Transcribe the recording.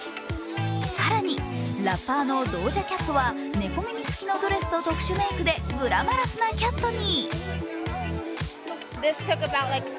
更に、ラッパーのドージャ・キャットは猫耳つきのドレスと特殊メイクでグラマラスなキャットに。